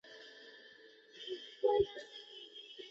父亲陈谦。